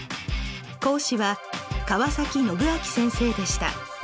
講師は川宣昭先生でした。